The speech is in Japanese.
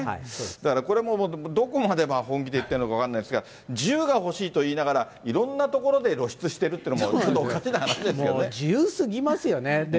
だからこれもどこまで本気で言ってるのか分からないですが、自由が欲しいといいながら、いろんなところで露出してるっていうのが、自由すぎますよね。